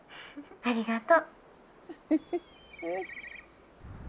ありがとう。